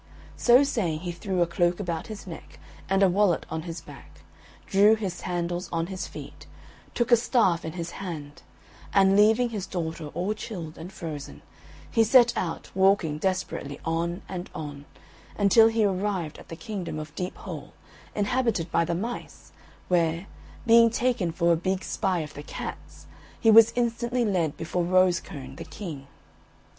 So saying he threw a cloak about his neck and a wallet on his back, drew his sandals on his feet, took a staff in his hand, and, leaving his daughter all chilled and frozen, he set out walking desperately on and on until he arrived at the kingdom of Deep Hole, inhabited by the mice, where, being taken for a big spy of the cats, he was instantly led before Rosecone, the King.